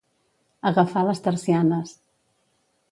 Agafar les tercianes.